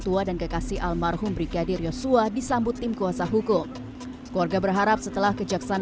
tua dan kekasih almarhum brigadir yosua disambut tim kuasa hukum keluarga berharap setelah kejaksaan